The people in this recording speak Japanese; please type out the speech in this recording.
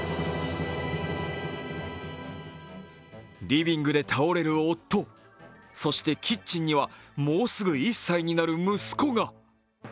リビングで倒れる夫そしてキッチンには、もうすぐ１歳になる息子が。